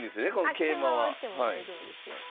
桂馬は打っても大丈夫ですよ。